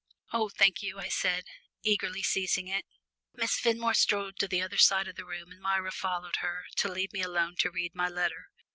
"Oh, thank you," I said, eagerly seizing it. Miss Fenmore strolled to the other side of the room, and Myra followed her, to leave me alone to read my letter.